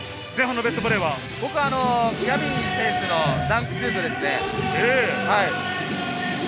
僕はギャビン選手のダンクシュートですね。